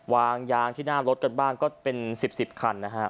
วางยางที่หน้ารถกันบ้างก็เป็น๑๐๑๐คันนะฮะ